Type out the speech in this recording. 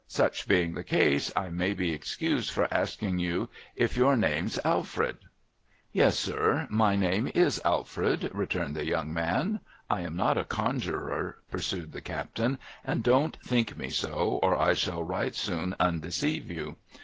' Such being the case, I may be excused for asking you if your name's Alfred ?'' Yes, sir, my name is Alfred,' returned the young man. 'I am not a conjurer,' pursued the captain, 'and don't think me so, or I shall right soon undeceive you.